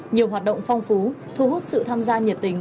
nhiều hoạt động phong phú thu hút sự tham gia nhiệt tình